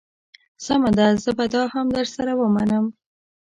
سمه ده زه به دا هم در سره ومنم.